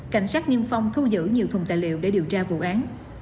cảnh sát niêm phong thu giữ nhiều thùng tài liệu để điều tra vụ án